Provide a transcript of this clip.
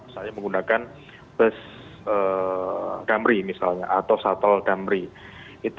saya menggunakan bus gamri misalnya atau shuttle gamri